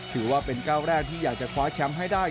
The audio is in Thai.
ถือว่าเป็นก้าวแรกที่อยากจะคว้าแชมป์ให้ได้